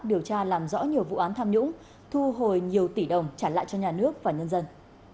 điều tra làm rõ nhiều vụ án tham nhũng thu hồi nhiều tỷ đồng trả lại cho nhà nước và nhân dân